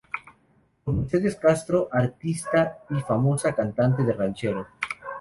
Con Mercedes Castro, artista y famosa cantante de ranchero.